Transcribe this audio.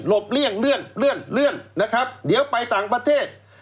เลี่ยงเลื่อนนะครับเดี๋ยวไปต่างประเทศ